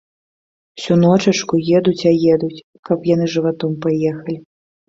Усю ночачку едуць а едуць, каб яны жыватом паехалі.